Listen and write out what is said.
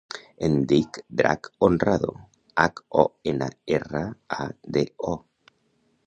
Em dic Drac Honrado: hac, o, ena, erra, a, de, o.